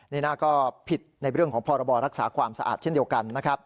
นี่น่าก็ผิดในเรื่องของพรบรักษาความสะอาดเช่นเดียวกันนะครับ